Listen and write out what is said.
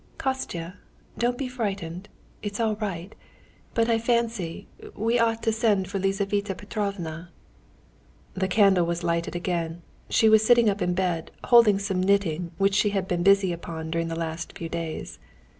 "Kostya, don't be frightened. It's all right. But I fancy.... We ought to send for Lizaveta Petrovna." The candle was lighted again. She was sitting up in bed, holding some knitting, which she had been busy upon during the last few days.